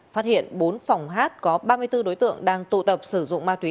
phát hiện bốn phòng hát có ba mươi bốn đối tượng đang tụ tập sử dụng ma túy